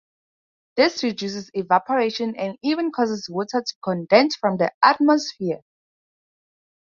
This reduces evaporation, and even causes water to condense from the atmosphere.